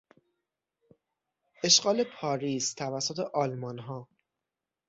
اشغال پاریس توسط آلمانها